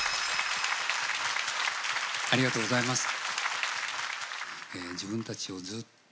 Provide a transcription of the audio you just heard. ありがとうございます。